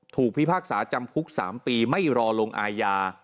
พิพากษาจำคุก๓ปีไม่รอลงอาญา